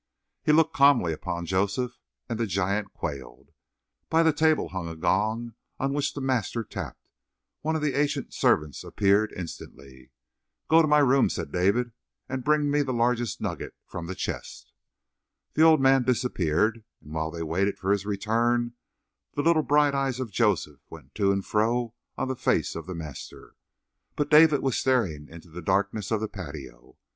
He looked calmly upon Joseph, and the giant quailed. By the table hung a gong on which the master tapped; one of the ancient servants appeared instantly. "Go to my room," said David, "and bring me the largest nugget from the chest." The old man disappeared, and while they waited for his return the little bright eyes of Joseph went to and fro on the face of the master; but David was staring into the darkness of the patio.